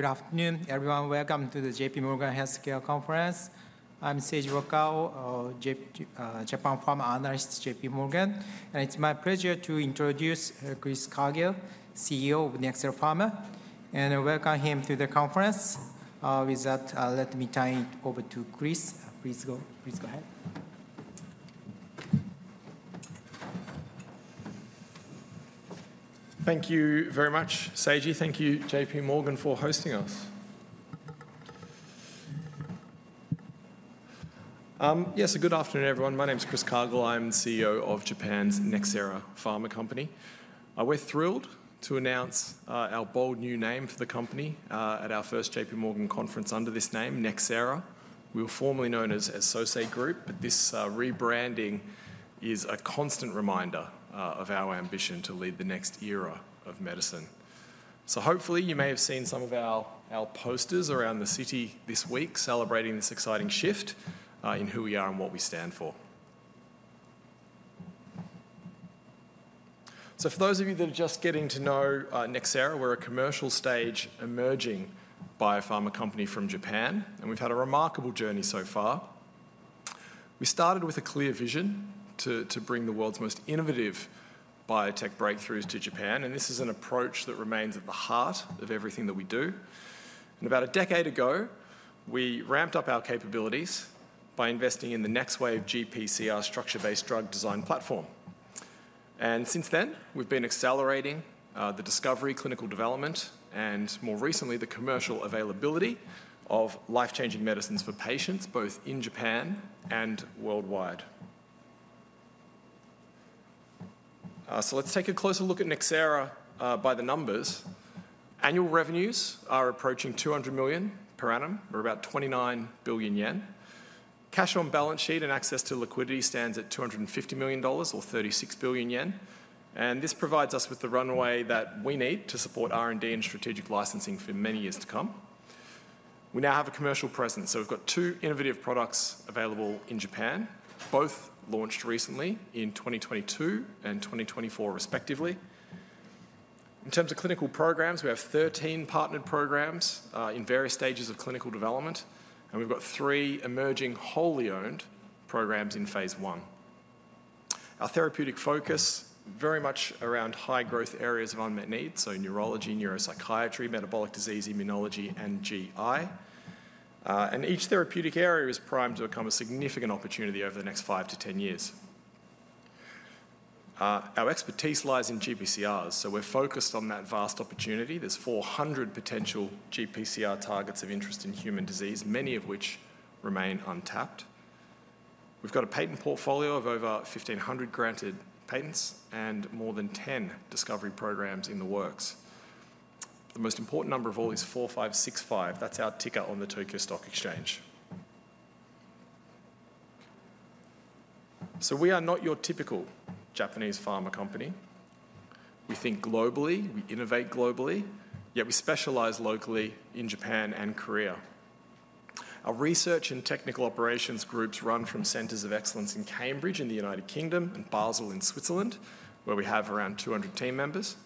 Good afternoon, everyone. Welcome to the JPMorgan Healthcare Conference. I'm Seiji Wakao, a Japan pharma analyst at JPMorgan, and it's my pleasure to introduce Chris Cargill, CEO of Nxera Pharma, and welcome him to the conference. With that, let me turn it over to Chris. Please go ahead. Thank you very much, Seiji. Thank you, JPMorgan, for hosting us. Yes, good afternoon, everyone. My name is Chris Cargill. I'm the CEO of Japan's Nxera Pharma Company. We're thrilled to announce our bold new name for the company at our first JPMorgan conference under this name, Nxera. We were formerly known as Sosei Group, but this rebranding is a constant reminder of our ambition to lead the next era of medicine. So hopefully, you may have seen some of our posters around the city this week celebrating this exciting shift in who we are and what we stand for. So for those of you that are just getting to know Nxera, we're a commercial-stage emerging biopharma company from Japan, and we've had a remarkable journey so far. We started with a clear vision to bring the world's most innovative biotech breakthroughs to Japan, and this is an approach that remains at the heart of everything that we do. About a decade ago, we ramped up our capabilities by investing in the NxWave GPCR, our structure-based drug design platform. Since then, we've been accelerating the discovery, clinical development, and more recently, the commercial availability of life-changing medicines for patients, both in Japan and worldwide. Let's take a closer look at Nxera by the numbers. Annual revenues are approaching $200 million per annum or about 29 billion yen. Cash on balance sheet and access to liquidity stands at $250 million or 36 billion yen. This provides us with the runway that we need to support R&D and strategic licensing for many years to come. We now have a commercial presence. We've got two innovative products available in Japan, both launched recently in 2022 and 2024, respectively. In terms of clinical programs, we have 13 partnered programs in various stages of clinical development, and we've got three emerging wholly owned programs in phase 1. Our therapeutic focus is very much around high-growth areas of unmet needs, so neurology, neuropsychiatry, metabolic disease, immunology, and GI. Each therapeutic area is primed to become a significant opportunity over the next five to ten years. Our expertise lies in GPCRs, so we're focused on that vast opportunity. There's 400 potential GPCR targets of interest in human disease, many of which remain untapped. We've got a patent portfolio of over 1,500 granted patents and more than 10 discovery programs in the works. The most important number of all is 4565. That's our ticker on the Tokyo Stock Exchange. We are not your typical Japanese pharma company. We think globally, we innovate globally, yet we specialize locally in Japan and Korea. Our research and technical operations groups run from centers of excellence in Cambridge in the United Kingdom and Basel in Switzerland, where we have around 200 team members.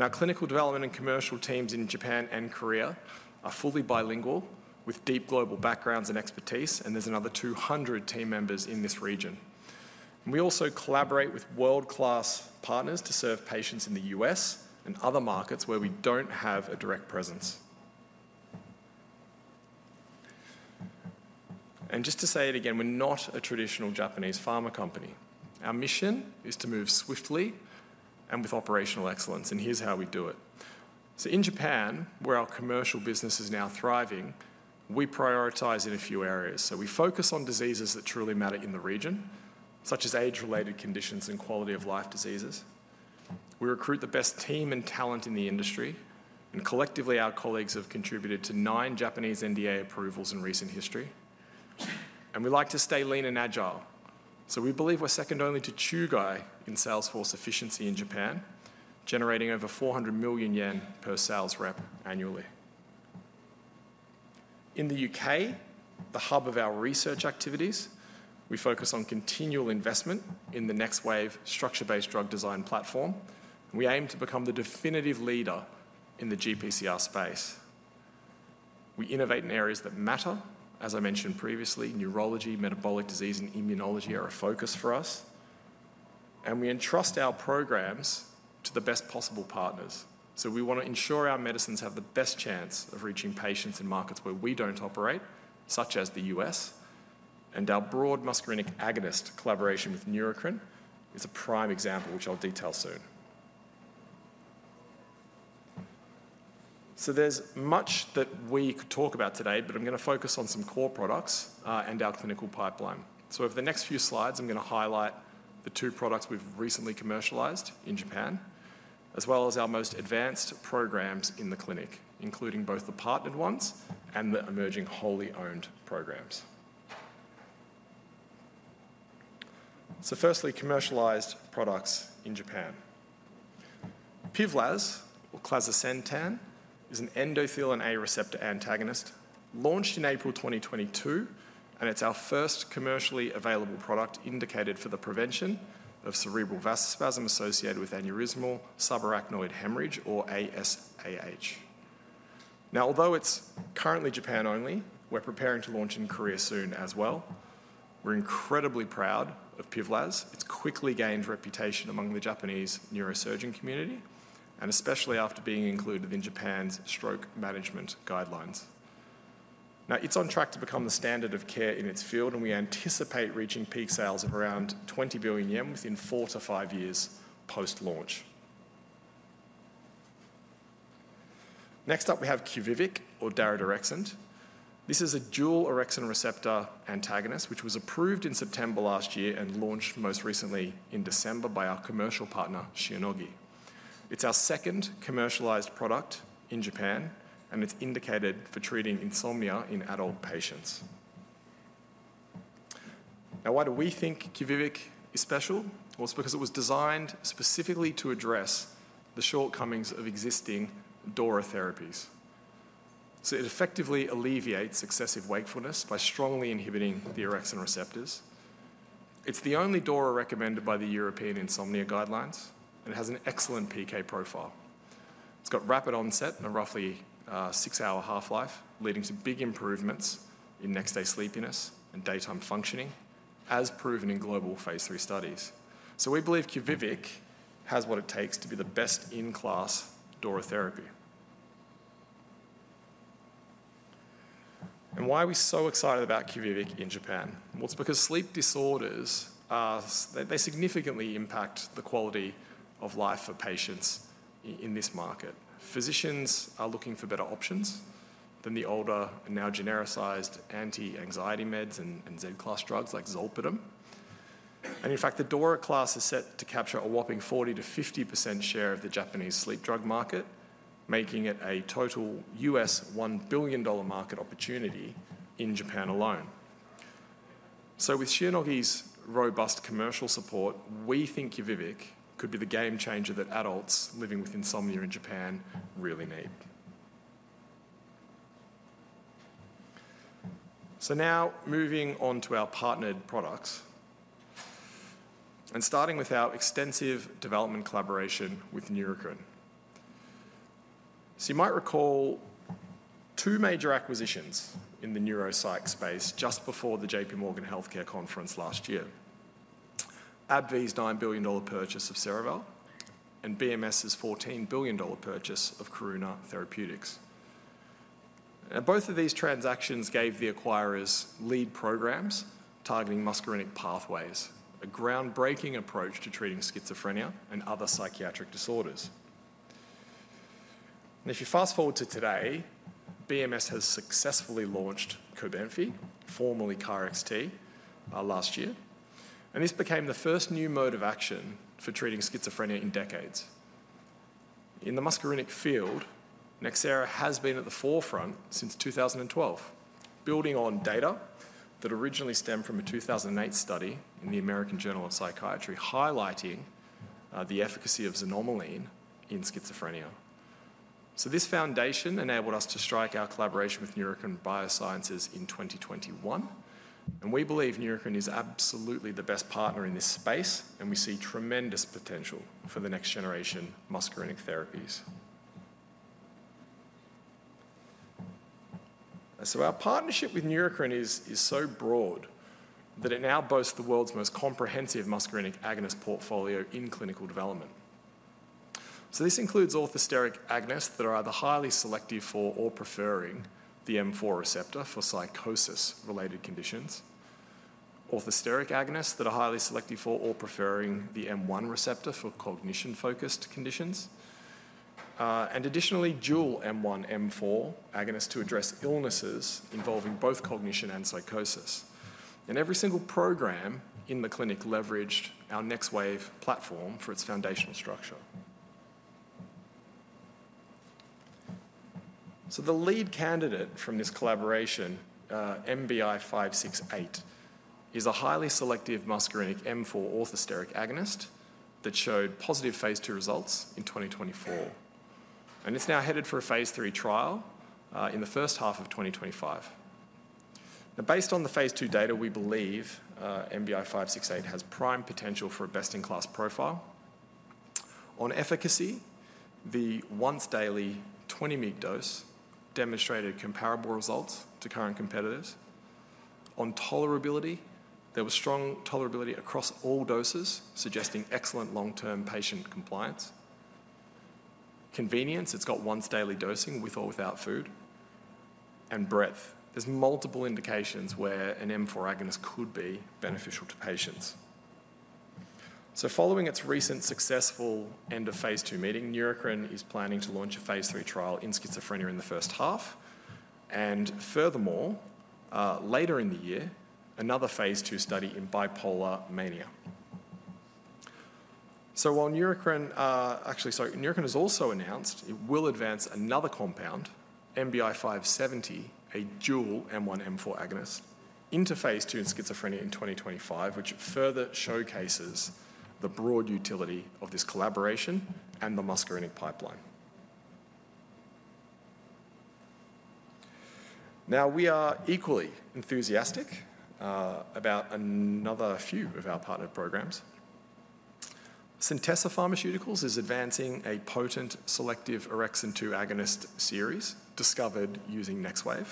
Our clinical development and commercial teams in Japan and Korea are fully bilingual with deep global backgrounds and expertise, and there's another 200 team members in this region. We also collaborate with world-class partners to serve patients in the U.S. and other markets where we don't have a direct presence. Just to say it again, we're not a traditional Japanese pharma company. Our mission is to move swiftly and with operational excellence, and here's how we do it. In Japan, where our commercial business is now thriving, we prioritize in a few areas. So we focus on diseases that truly matter in the region, such as age-related conditions and quality-of-life diseases. We recruit the best team and talent in the industry, and collectively, our colleagues have contributed to nine Japanese NDA approvals in recent history. And we like to stay lean and agile. So we believe we're second only to Chugai in sales force efficiency in Japan, generating over 400 million yen per sales rep annually. In the U.K., the hub of our research activities, we focus on continual investment in the NxWave structure-based drug design platform. We aim to become the definitive leader in the GPCR space. We innovate in areas that matter. As I mentioned previously, neurology, metabolic disease, and immunology are a focus for us. And we entrust our programs to the best possible partners. We want to ensure our medicines have the best chance of reaching patients in markets where we don't operate, such as the U.S. Our broad muscarinic agonist collaboration with Neurocrine is a prime example, which I'll detail soon. There's much that we could talk about today, but I'm going to focus on some core products and our clinical pipeline. Over the next few slides, I'm going to highlight the two products we've recently commercialized in Japan, as well as our most advanced programs in the clinic, including both the partnered ones and the emerging wholly owned programs. Firstly, commercialized products in Japan. Pivlaz, or Clazosentan, is an endothelin A receptor antagonist launched in April 2022, and it's our first commercially available product indicated for the prevention of cerebral vasospasm associated with aneurysmal subarachnoid hemorrhage, or aSAH. Now, although it's currently Japan only, we're preparing to launch in Korea soon as well. We're incredibly proud of Pivlaz. It's quickly gained reputation among the Japanese neurosurgeon community, and especially after being included in Japan's stroke management guidelines. Now, it's on track to become the standard of care in its field, and we anticipate reaching peak sales of around 20 billion yen within four to five years post-launch. Next up, we have Quvivic, or daridorexant. This is a dual orexin receptor antagonist which was approved in September last year and launched most recently in December by our commercial partner, Shionogi. It's our second commercialized product in Japan, and it's indicated for treating insomnia in adult patients. Now, why do we think Quvivic is special? Well, it's because it was designed specifically to address the shortcomings of existing DORA therapies. It effectively alleviates excessive wakefulness by strongly inhibiting the orexin receptors. It's the only DORA recommended by the European insomnia guidelines and has an excellent PK profile. It's got rapid onset and a roughly six-hour half-life, leading to big improvements in next-day sleepiness and daytime functioning, as proven in global phase three studies. We believe Quvivic has what it takes to be the best in-class DORA therapy. Why are we so excited about Quvivic in Japan? It's because sleep disorders, they significantly impact the quality of life for patients in this market. Physicians are looking for better options than the older, now genericized anti-anxiety meds and Z-class drugs like Zolpidem. In fact, the DORA class is set to capture a whopping 40%-50% share of the Japanese sleep drug market, making it a total $1 billion market opportunity in Japan alone. So with Shionogi's robust commercial support, we think Quvivic could be the game changer that adults living with insomnia in Japan really need. So now, moving on to our partnered products and starting with our extensive development collaboration with Neurocrine. So you might recall two major acquisitions in the neuropsych space just before the JPMorgan Healthcare Conference last year: AbbVie's $9 billion purchase of Cerevel and BMS's $14 billion purchase of Karuna Therapeutics. And both of these transactions gave the acquirers lead programs targeting muscarinic pathways, a groundbreaking approach to treating schizophrenia and other psychiatric disorders. And if you fast forward to today, BMS has successfully launched Cobenfy, formerly KarXT, last year. And this became the first new mode of action for treating schizophrenia in decades. In the muscarinic field, Nxera has been at the forefront since 2012, building on data that originally stemmed from a 2008 study in the American Journal of Psychiatry highlighting the efficacy of xanomeline in schizophrenia. So this foundation enabled us to strike our collaboration with Neurocrine Biosciences in 2021. And we believe Neurocrine is absolutely the best partner in this space, and we see tremendous potential for the next generation muscarinic therapies. So our partnership with Neurocrine is so broad that it now boasts the world's most comprehensive muscarinic agonist portfolio in clinical development. So this includes orthosteric agonists that are either highly selective for or preferring the M4 receptor for psychosis-related conditions, orthosteric agonists that are highly selective for or preferring the M1 receptor for cognition-focused conditions, and additionally, dual M1, M4 agonists to address illnesses involving both cognition and psychosis. Every single program in the clinic leveraged our NxWave platform for its foundational structure. The lead candidate from this collaboration, NBI-568, is a highly selective muscarinic M4 orthosteric agonist that showed positive phase 2 results in 2024. It is now headed for a phase 3 trial in the first half of 2025. Based on the phase 2 data, we believe NBI-568 has prime potential for a best-in-class profile. On efficacy, the once-daily 20 mg dose demonstrated comparable results to current competitors. On tolerability, there was strong tolerability across all doses, suggesting excellent long-term patient compliance. On convenience, it has once-daily dosing with or without food. On breadth, there are multiple indications where an M4 agonist could be beneficial to patients. Following its recent successful end-of-phase 2 meeting, Neurocrine is planning to launch a phase 3 trial in schizophrenia in the first half. Furthermore, later in the year, another phase 2 study in bipolar mania. While Neurocrine actually, sorry, Neurocrine has also announced it will advance another compound, NBI-570, a dual M1, M4 agonist into phase 2 in schizophrenia in 2025, which further showcases the broad utility of this collaboration and the muscarinic pipeline. Now, we are equally enthusiastic about another few of our partnered programs. Centessa Pharmaceuticals is advancing a potent selective orexin-2 agonist series discovered using NxWave.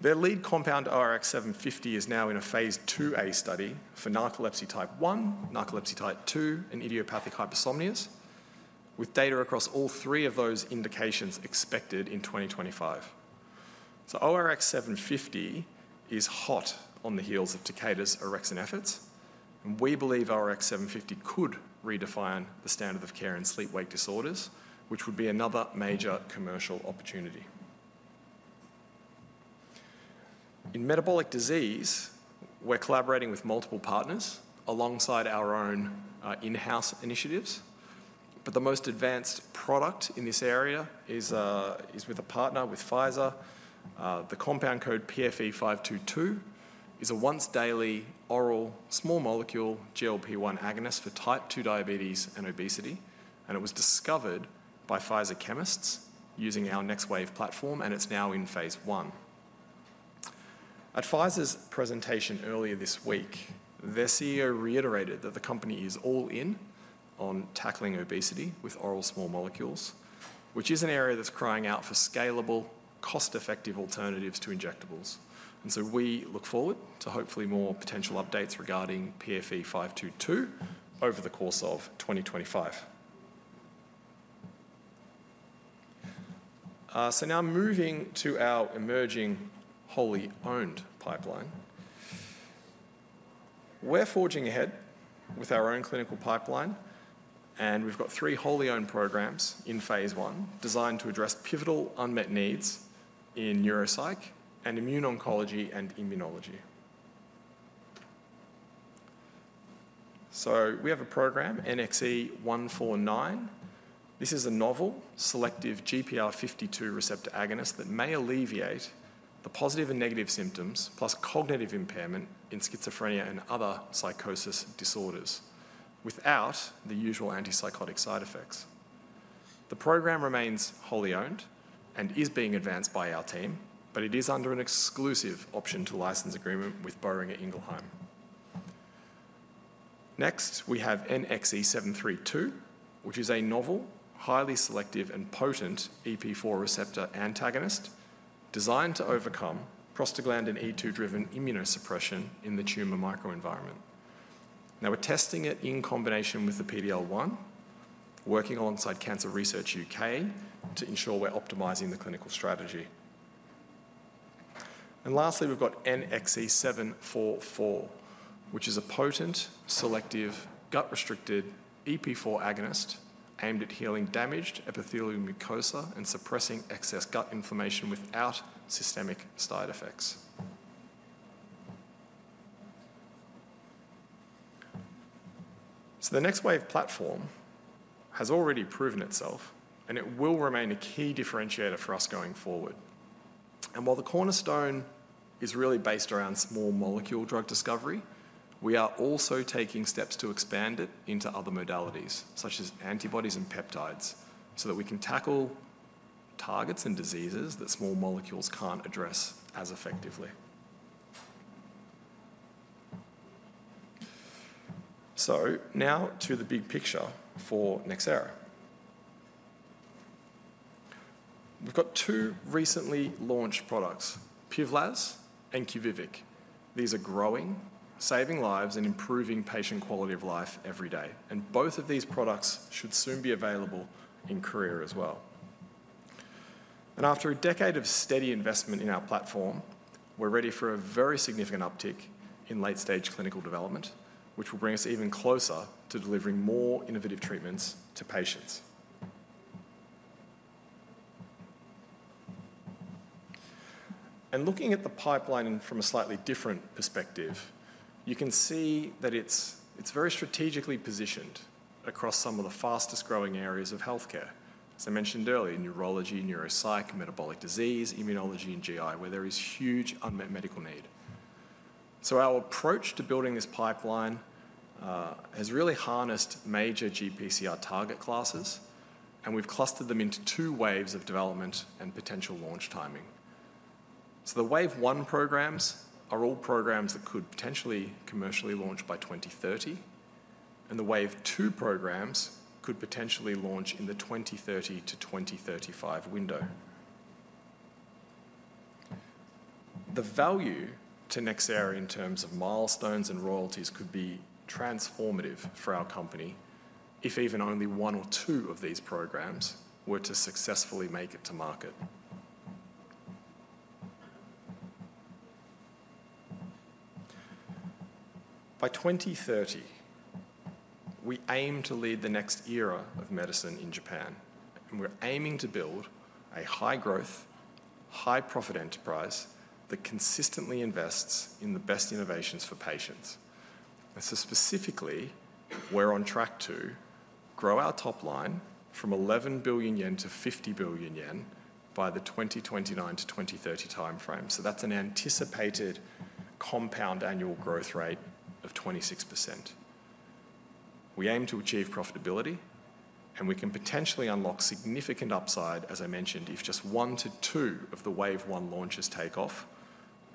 Their lead compound, ORX750, is now in a phase 2A study for narcolepsy type 1, narcolepsy type 2, and idiopathic hypersomnia, with data across all three of those indications expected in 2025. ORX750 is hot on the heels of Takeda's orexin efforts. We believe ORX750 could redefine the standard of care in sleep-wake disorders, which would be another major commercial opportunity. In metabolic disease, we're collaborating with multiple partners alongside our own in-house initiatives. But the most advanced product in this area is with a partner with Pfizer. The compound code PFE-522 is a once-daily oral small molecule GLP-1 agonist for type 2 diabetes and obesity, and it was discovered by Pfizer chemists using our NxWave platform, and it's now in phase 1. At Pfizer's presentation earlier this week, their CEO reiterated that the company is all in on tackling obesity with oral small molecules, which is an area that's crying out for scalable, cost-effective alternatives to injectables, and so we look forward to hopefully more potential updates regarding PFE-522 over the course of 2025, so now moving to our emerging wholly owned pipeline. We're forging ahead with our own clinical pipeline, and we've got three wholly owned programs in phase one designed to address pivotal unmet needs in neuropsych and immune oncology and immunology. So we have a program, NXE-149. This is a novel selective GPR52 receptor agonist that may alleviate the positive and negative symptoms plus cognitive impairment in schizophrenia and other psychosis disorders without the usual antipsychotic side effects. The program remains wholly owned and is being advanced by our team, but it is under an exclusive option-to-license agreement with Boehringer Ingelheim. Next, we have NXE-732, which is a novel, highly selective, and potent EP4 receptor antagonist designed to overcome Prostaglandin E2-driven immunosuppression in the tumor microenvironment. Now, we're testing it in combination with the PD-L1, working alongside Cancer Research UK to ensure we're optimizing the clinical strategy. Lastly, we've got NXE-744, which is a potent, selective, gut-restricted EP4 agonist aimed at healing damaged epithelial mucosa and suppressing excess gut inflammation without systemic side effects. The NxWave platform has already proven itself, and it will remain a key differentiator for us going forward. While the cornerstone is really based around small molecule drug discovery, we are also taking steps to expand it into other modalities, such as antibodies and peptides, so that we can tackle targets and diseases that small molecules can't address as effectively. Now to the big picture for Nxera. We've got two recently launched products, Pivlaz and Quvivic. These are growing, saving lives, and improving patient quality of life every day. Both of these products should soon be available in Korea as well. And after a decade of steady investment in our platform, we're ready for a very significant uptick in late-stage clinical development, which will bring us even closer to delivering more innovative treatments to patients. And looking at the pipeline from a slightly different perspective, you can see that it's very strategically positioned across some of the fastest-growing areas of healthcare. As I mentioned earlier, neurology, neuropsych, metabolic disease, immunology, and GI, where there is huge unmet medical need. So our approach to building this pipeline has really harnessed major GPCR target classes, and we've clustered them into two waves of development and potential launch timing. So the wave one programs are all programs that could potentially commercially launch by 2030, and the wave two programs could potentially launch in the 2030 to 2035 window. The value to Nxera in terms of milestones and royalties could be transformative for our company if even only one or two of these programs were to successfully make it to market. By 2030, we aim to lead the next era of medicine in Japan. And we're aiming to build a high-growth, high-profit enterprise that consistently invests in the best innovations for patients. And so specifically, we're on track to grow our top line from 11 billion-50 billion yen by the 2029 to 2030 timeframe. So that's an anticipated compound annual growth rate of 26%. We aim to achieve profitability, and we can potentially unlock significant upside, as I mentioned, if just one to two of the wave one launches take off,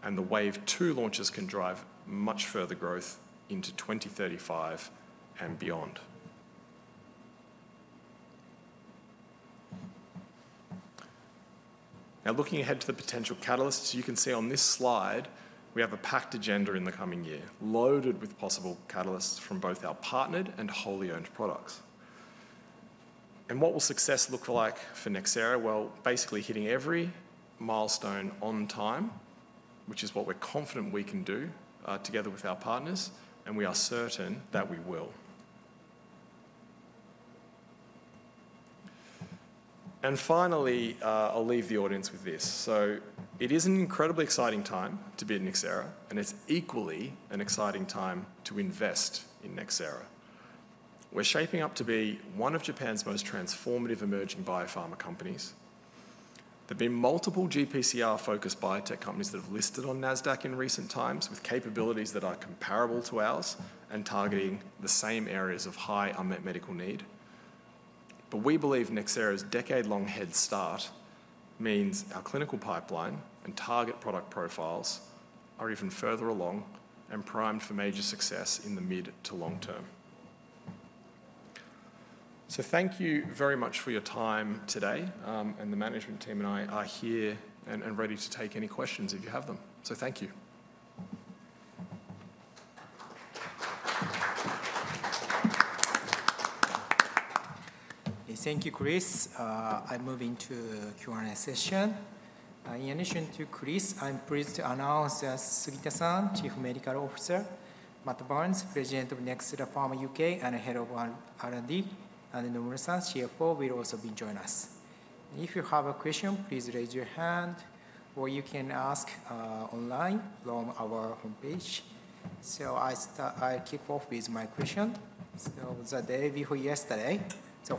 and the wave two launches can drive much further growth into 2035 and beyond. Now, looking ahead to the potential catalysts, you can see on this slide, we have a packed agenda in the coming year, loaded with possible catalysts from both our partnered and wholly owned products. And what will success look like for Nxera? Well, basically hitting every milestone on time, which is what we're confident we can do together with our partners, and we are certain that we will. And finally, I'll leave the audience with this. So it is an incredibly exciting time to be at Nxera, and it's equally an exciting time to invest in Nxera. We're shaping up to be one of Japan's most transformative emerging biopharma companies. There have been multiple GPCR-focused biotech companies that have listed on NASDAQ in recent times with capabilities that are comparable to ours and targeting the same areas of high unmet medical need. But we believe Nxera's decade-long head start means our clinical pipeline and target product profiles are even further along and primed for major success in the mid to long term. So thank you very much for your time today. And the management team and I are here and ready to take any questions if you have them. So thank you. Thank you, Chris. I'm moving to Q&A session. In addition to Chris, I'm pleased to announce Sugita-san, Chief Medical Officer, Matt Barnes, President of Nxera Pharma UK and Head of R&D, and Noguchi-san, CFO, will also be joining us. If you have a question, please raise your hand, or you can ask online from our homepage. I'll kick off with my question. The day before yesterday,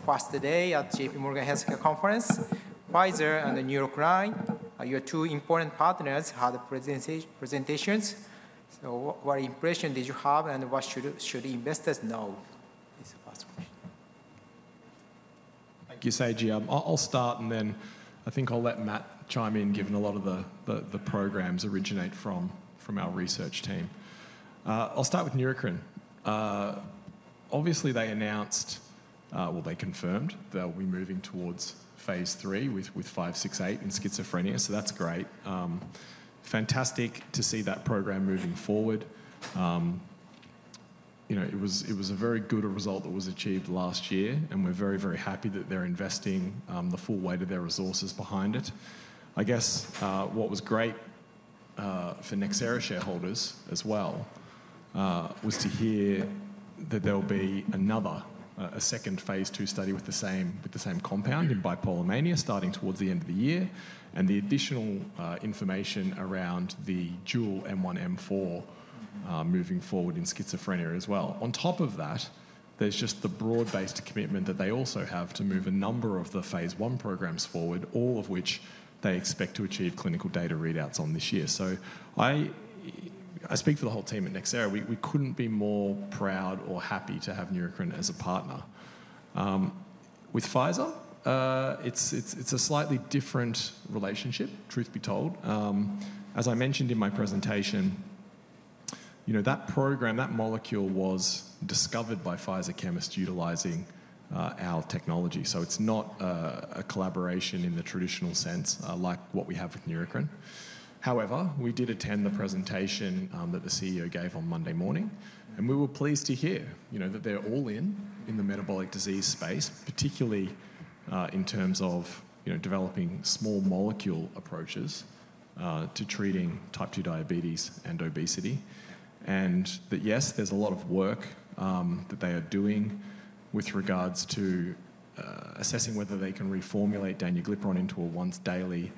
first day at JP Morgan Healthcare Conference, Pfizer and Neurocrine, your two important partners had presentations. What impression did you have, and what should investors know? This is the first question. Thank you, Seiji. I'll start, and then I think I'll let Matt chime in, given a lot of the programs originate from our research team. I'll start with Neurocrine. Obviously, they announced, well, they confirmed they'll be moving towards phase three with NBI-568 in schizophrenia. So that's great. Fantastic to see that program moving forward. It was a very good result that was achieved last year, and we're very, very happy that they're investing the full weight of their resources behind it. I guess what was great for Nxera shareholders as well was to hear that there will be another second phase two study with the same compound in bipolar mania starting towards the end of the year, and the additional information around the dual M1, M4 moving forward in schizophrenia as well. On top of that, there's just the broad-based commitment that they also have to move a number of the phase 1 programs forward, all of which they expect to achieve clinical data readouts on this year. I speak for the whole team at Nxera. We couldn't be more proud or happy to have Neurocrine as a partner. With Pfizer, it's a slightly different relationship, truth be told. As I mentioned in my presentation, that program, that molecule was discovered by Pfizer chemists utilizing our technology. It's not a collaboration in the traditional sense like what we have with Neurocrine. However, we did attend the presentation that the CEO gave on Monday morning, and we were pleased to hear that they're all in the metabolic disease space, particularly in terms of developing small molecule approaches to treating type 2 diabetes and obesity. That, yes, there's a lot of work that they are doing with regards to assessing whether they can reformulate Danuglipron into a once-daily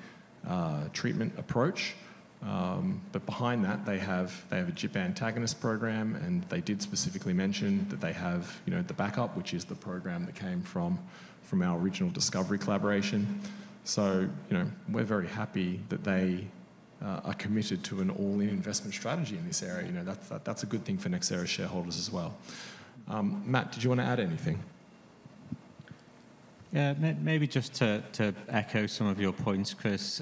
treatment approach. But behind that, they have a GLP-1 agonist program, and they did specifically mention that they have the backup, which is the program that came from our original discovery collaboration. We're very happy that they are committed to an all-in investment strategy in this area. That's a good thing for Nxera shareholders as well. Matt, did you want to add anything? Yeah, maybe just to echo some of your points, Chris.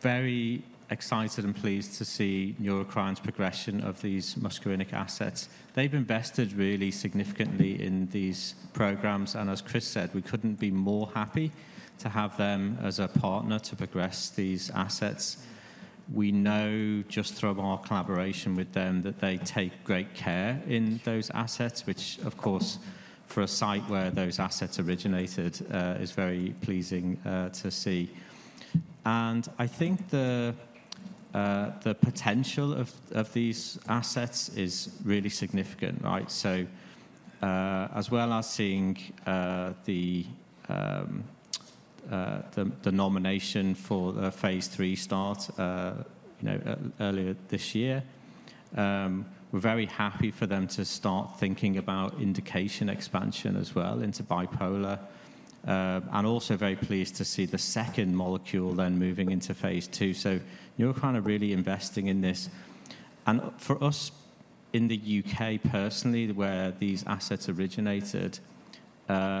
Very excited and pleased to see Neurocrine's progression of these muscarinic assets. They've invested really significantly in these programs. And as Chris said, we couldn't be more happy to have them as a partner to progress these assets. We know just from our collaboration with them that they take great care in those assets, which, of course, for a site where those assets originated, is very pleasing to see. And I think the potential of these assets is really significant, right? So as well as seeing the nomination for the phase three start earlier this year, we're very happy for them to start thinking about indication expansion as well into bipolar. And also very pleased to see the second molecule then moving into phase two. So Neurocrine are really investing in this. For us in the U.K., personally, where these assets originated, the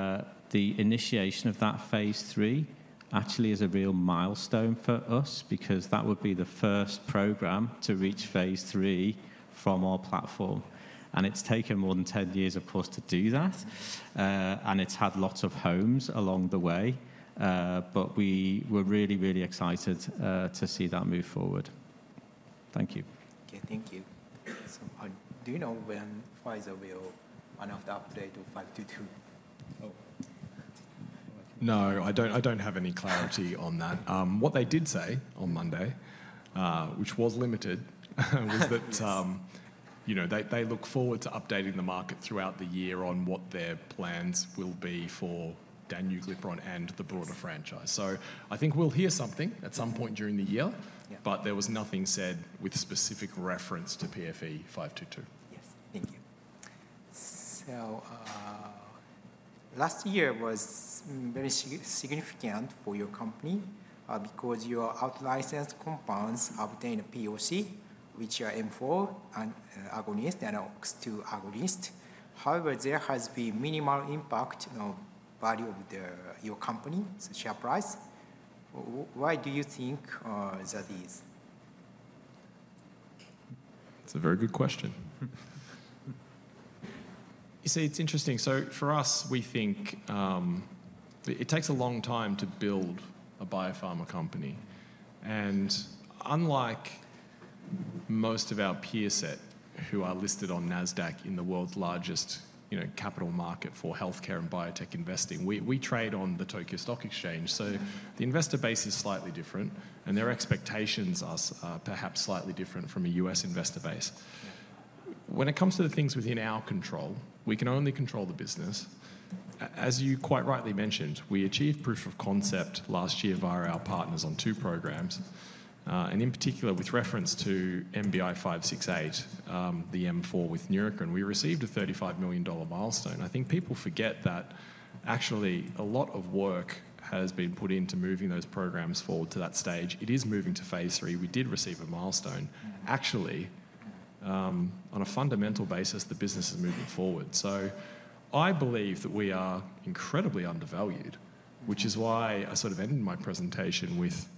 initiation of that phase 3 actually is a real milestone for us because that would be the first program to reach phase 3 from our platform. It's taken more than 10 years, of course, to do that. It's had lots of homes along the way. We were really, really excited to see that move forward. Thank you. Okay, thank you. So do you know when Pfizer will announce the update to PFE-522? No, I don't have any clarity on that. What they did say on Monday, which was limited, was that they look forward to updating the market throughout the year on what their plans will be for Danuglipron and the broader franchise. So I think we'll hear something at some point during the year, but there was nothing said with specific reference to PFE-522. Yes, thank you. So last year was very significant for your company because your out-licensed compounds obtained a POC, which are M4 agonist and OX2 agonist. However, there has been minimal impact on the value of your company, the share price. Why do you think that is? That's a very good question. You see, it's interesting. So for us, we think it takes a long time to build a biopharma company. And unlike most of our peer set who are listed on NASDAQ in the world's largest capital market for healthcare and biotech investing, we trade on the Tokyo Stock Exchange. So the investor base is slightly different, and their expectations are perhaps slightly different from a US investor base. When it comes to the things within our control, we can only control the business. As you quite rightly mentioned, we achieved proof of concept last year via our partners on two programs. And in particular, with reference to NBI-568, the M4 with Neurocrine, we received a $35 million milestone. I think people forget that actually a lot of work has been put into moving those programs forward to that stage. It is moving to phase three. We did receive a milestone. Actually, on a fundamental basis, the business is moving forward. So I believe that we are incredibly undervalued, which is why I sort of ended my presentation with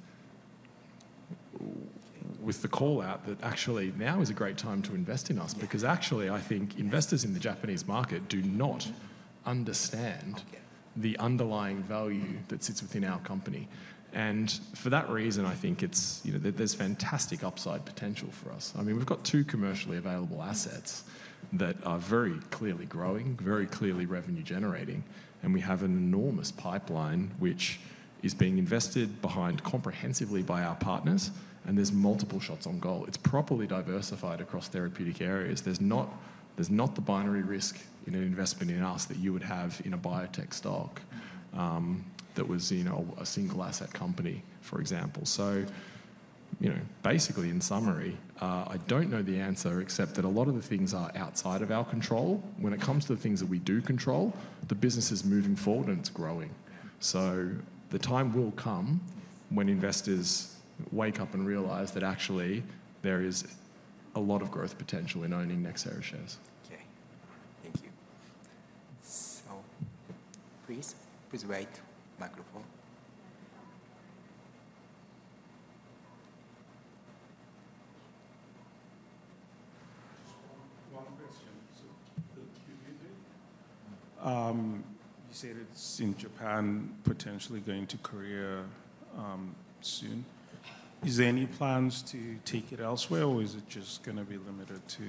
the callout that actually now is a great time to invest in us because actually I think investors in the Japanese market do not understand the underlying value that sits within our company. And for that reason, I think there's fantastic upside potential for us. I mean, we've got two commercially available assets that are very clearly growing, very clearly revenue-generating, and we have an enormous pipeline which is being invested behind comprehensively by our partners, and there's multiple shots on goal. It's properly diversified across therapeutic areas. There's not the binary risk in an investment in us that you would have in a biotech stock that was a single asset company, for example. So basically, in summary, I don't know the answer except that a lot of the things are outside of our control. When it comes to the things that we do control, the business is moving forward and it's growing. So the time will come when investors wake up and realize that actually there is a lot of growth potential in owning Nxera shares. Okay, thank you. So please wait. Microphone. Just one question. You said it's in Japan, potentially going to Korea soon. Is there any plans to take it elsewhere, or is it just going to be limited to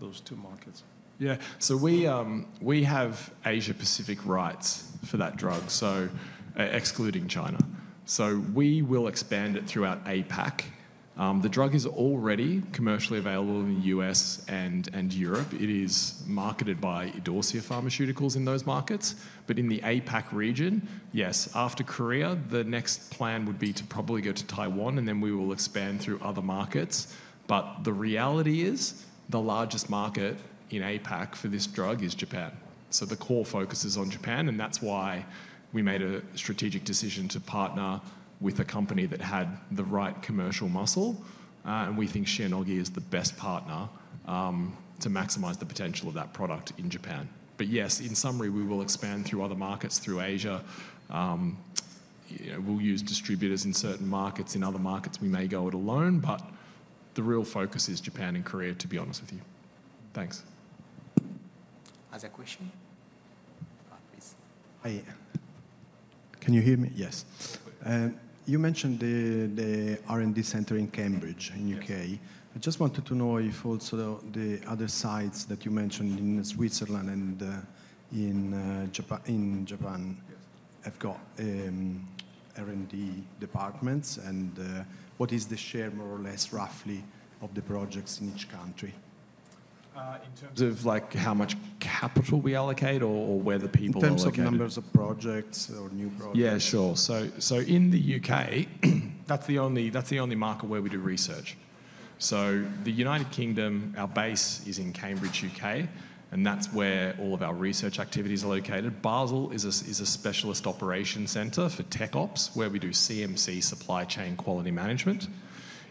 those two markets? Yeah, so we have Asia-Pacific rights for that drug, excluding China. So we will expand it throughout APAC. The drug is already commercially available in the U.S. and Europe. It is marketed by Idorsia Pharmaceuticals in those markets. But in the APAC region, yes, after Korea, the next plan would be to probably go to Taiwan, and then we will expand through other markets. But the reality is the largest market in APAC for this drug is Japan. So the core focus is on Japan, and that's why we made a strategic decision to partner with a company that had the right commercial muscle. And we think Shionogi is the best partner to maximize the potential of that product in Japan. But yes, in summary, we will expand through other markets, through Asia. We'll use distributors in certain markets. In other markets, we may go it alone, but the real focus is Japan and Korea, to be honest with you. Thanks. Other question? Please. Hi. Can you hear me? Yes. You mentioned the R&D center in Cambridge in the U.K. I just wanted to know if also the other sites that you mentioned in Switzerland and in Japan have got R&D departments, and what is the share, more or less, roughly of the projects in each country? In terms of how much capital we allocate or where the people are located? In terms of numbers of projects or new projects? Yeah, sure. So in the U.K., that's the only market where we do research, so the United Kingdom, our base is in Cambridge, U.K., and that's where all of our research activities are located. Basel is a specialist operations center for tech ops where we do CMC, supply chain quality management.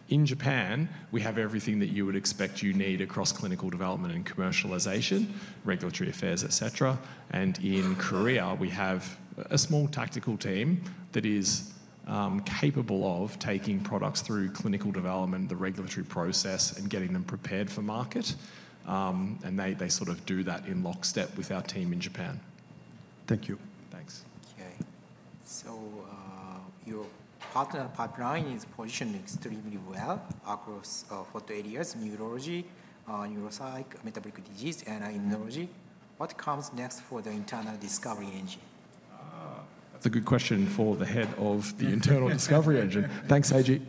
In Japan, we have everything that you would expect you need across clinical development and commercialization, regulatory affairs, etc., and in Korea, we have a small tactical team that is capable of taking products through clinical development, the regulatory process, and getting them prepared for market, and they sort of do that in lockstep with our team in Japan. Thank you. Thanks. Okay. So your partner pipeline is positioned extremely well across four areas: neurology, neuropsych, metabolic disease, and immunology. What comes next for the internal discovery engine? That's a good question for the head of the internal discovery engine. Thanks, Seiji.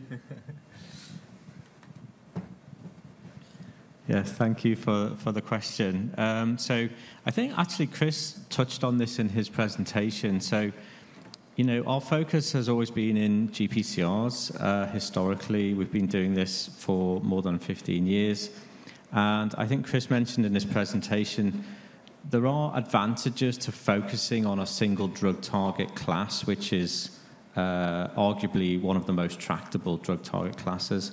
Yes, thank you for the question. So I think actually Chris touched on this in his presentation. So our focus has always been in GPCRs. Historically, we've been doing this for more than 15 years. And I think Chris mentioned in his presentation there are advantages to focusing on a single drug target class, which is arguably one of the most tractable drug target classes.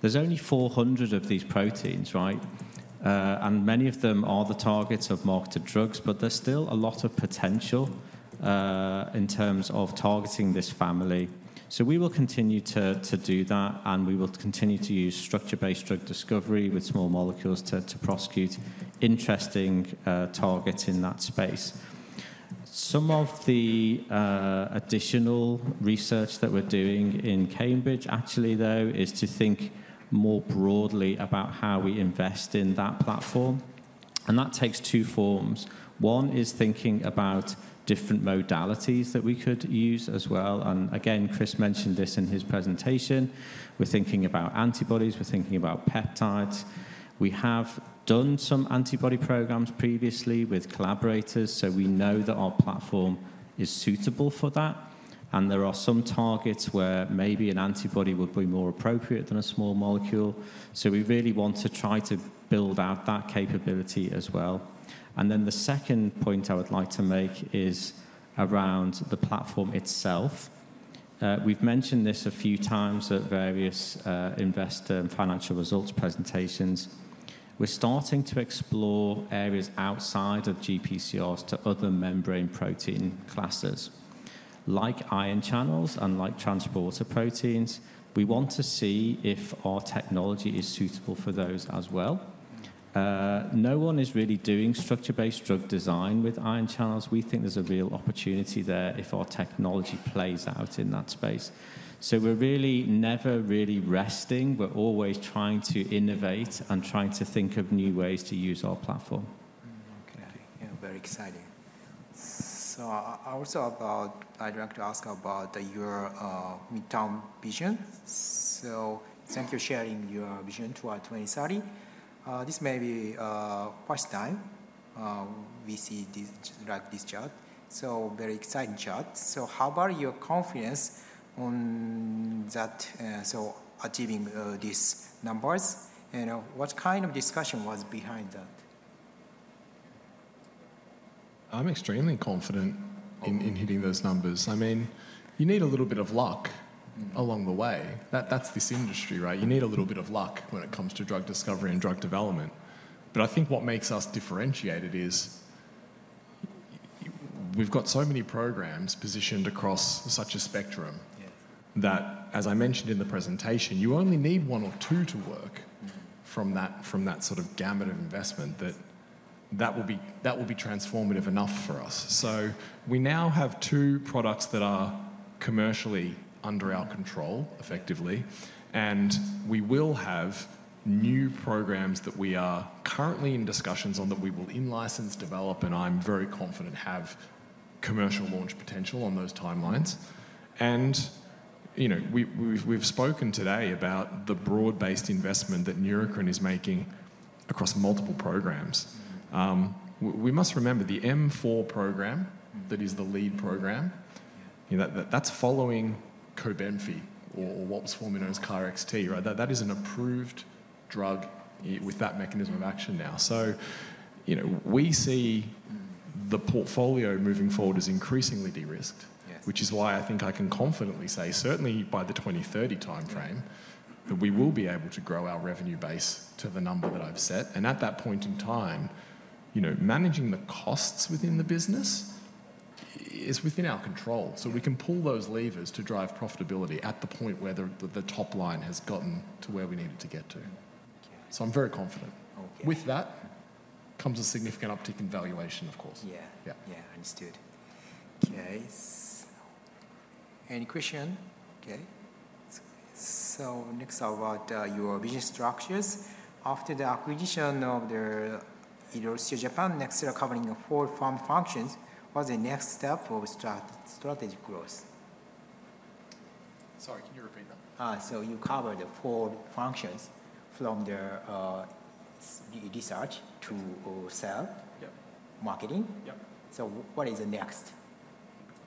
There's only 400 of these proteins, right? And many of them are the targets of marketed drugs, but there's still a lot of potential in terms of targeting this family. So we will continue to do that, and we will continue to use structure-based drug discovery with small molecules to prosecute interesting targets in that space. Some of the additional research that we're doing in Cambridge, actually, though, is to think more broadly about how we invest in that platform. And that takes two forms. One is thinking about different modalities that we could use as well, and again, Chris mentioned this in his presentation. We're thinking about antibodies. We're thinking about peptides. We have done some antibody programs previously with collaborators, so we know that our platform is suitable for that, and there are some targets where maybe an antibody would be more appropriate than a small molecule, so we really want to try to build out that capability as well, and then the second point I would like to make is around the platform itself. We've mentioned this a few times at various investor and financial results presentations. We're starting to explore areas outside of GPCRs to other membrane protein classes. Like ion channels and like transporter proteins, we want to see if our technology is suitable for those as well. No one is really doing structure-based drug design with ion channels. We think there's a real opportunity there if our technology plays out in that space, so we're really never resting. We're always trying to innovate and trying to think of new ways to use our platform. Okay, very exciting, so also I'd like to ask about your midterm vision, so thank you for sharing your vision toward 2030. This may be first time we see this chart, so very exciting chart, so how about your confidence on achieving these numbers, and what kind of discussion was behind that? I'm extremely confident in hitting those numbers. I mean, you need a little bit of luck along the way. That's this industry, right? You need a little bit of luck when it comes to drug discovery and drug development. But I think what makes us differentiated is we've got so many programs positioned across such a spectrum that, as I mentioned in the presentation, you only need one or two to work from that sort of gamut of investment that will be transformative enough for us. So we now have two products that are commercially under our control, effectively. And we will have new programs that we are currently in discussions on that we will in-license, develop, and I'm very confident have commercial launch potential on those timelines. And we've spoken today about the broad-based investment that Neurocrine is making across multiple programs. We must remember the M4 program that is the lead program. That's following Cobenfy or what was formerly known as KarXT. That is an approved drug with that mechanism of action now, so we see the portfolio moving forward is increasingly de-risked, which is why I think I can confidently say, certainly by the 2030 timeframe, that we will be able to grow our revenue base to the number that I've set, and at that point in time, managing the costs within the business is within our control, so we can pull those levers to drive profitability at the point where the top line has gotten to where we need it to get to, so I'm very confident. With that comes a significant uptick in valuation, of course. Yeah, understood. Okay, any question? Okay. Next, about your business structures. After the acquisition of the Idorsia Japan, Nxera covering four fundamental functions. What's the next step for strategic growth? Sorry, can you repeat that? So you covered four functions from the research to sell, marketing. So what is the next?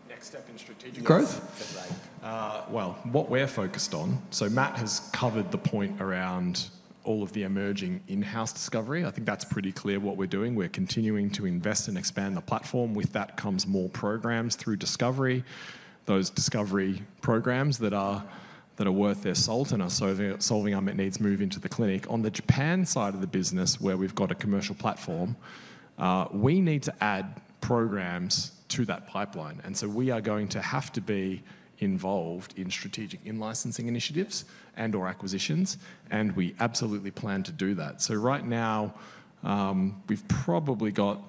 Next step in strategic growth? Growth. What we're focused on. Matt has covered the point around all of the emerging in-house discovery. I think that's pretty clear what we're doing. We're continuing to invest and expand the platform. With that comes more programs through discovery. Those discovery programs that are worth their salt and are solving our needs move into the clinic. On the Japan side of the business, where we've got a commercial platform, we need to add programs to that pipeline. We are going to have to be involved in strategic in-licensing initiatives and/or acquisitions. We absolutely plan to do that. Right now, we've probably got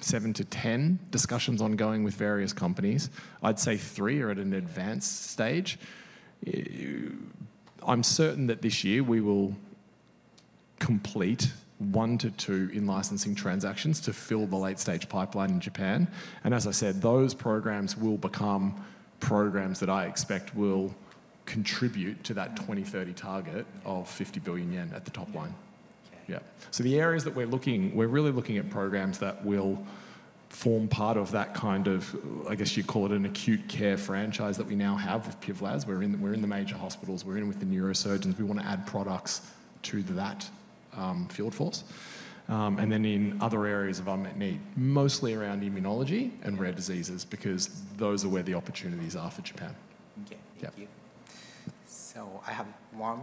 seven to 10 discussions ongoing with various companies. I'd say three are at an advanced stage. I'm certain that this year we will complete one to two in-licensing transactions to fill the late-stage pipeline in Japan. As I said, those programs will become programs that I expect will contribute to that 2030 target of 50 billion yen at the top line. Yeah, so the areas that we're looking, we're really looking at programs that will form part of that kind of, I guess you'd call it an acute care franchise that we now have with Pivlaz. We're in the major hospitals. We're in with the neurosurgeons. We want to add products to that field force. Then in other areas of unmet need, mostly around immunology and rare diseases, because those are where the opportunities are for Japan. Okay, thank you. So I have one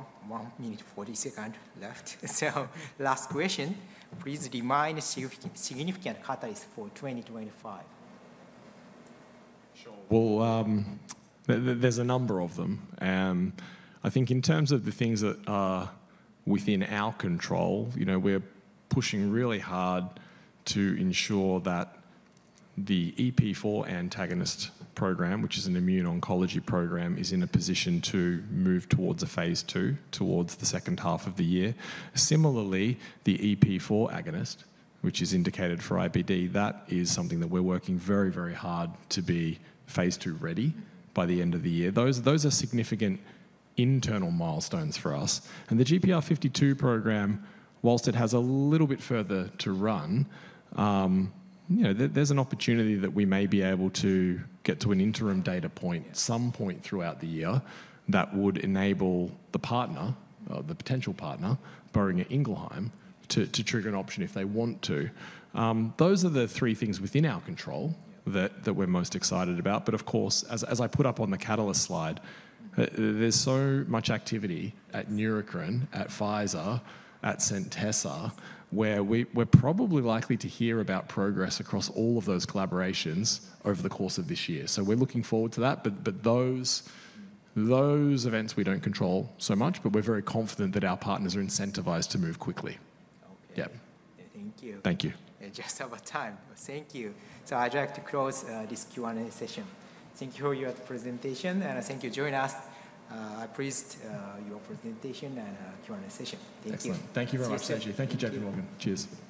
minute 40 seconds left. So last question. Please define significant catalysts for 2025. There's a number of them. I think in terms of the things that are within our control, we're pushing really hard to ensure that the EP4 antagonist program, which is an immune oncology program, is in a position to move towards a phase 2 towards the second half of the year. Similarly, the EP4 agonist, which is indicated for IBD, that is something that we're working very, very hard to be phase 2 ready by the end of the year. Those are significant internal milestones for us. The GPR52 program, while it has a little bit further to run, there's an opportunity that we may be able to get to an interim data point at some point throughout the year that would enable the partner, the potential partner, Boehringer Ingelheim, to trigger an option if they want to. Those are the three things within our control that we're most excited about. But of course, as I put up on the catalyst slide, there's so much activity at Neurocrine, at Pfizer, at Centessa, where we're probably likely to hear about progress across all of those collaborations over the course of this year. So we're looking forward to that. But those events we don't control so much, but we're very confident that our partners are incentivized to move quickly. Okay, thank you. Thank you. Just over time. Thank you. So I'd like to close this Q&A session. Thank you for your presentation, and thank you for joining us. I appreciate your presentation and Q&A session. Thank you. Excellent. Thank you very much, Seiji. Thank you, JP Morgan. Cheers.